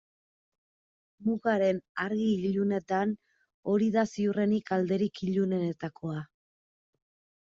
Mugaren argi-ilunetan hori da ziurrenik alderik ilunenetakoa.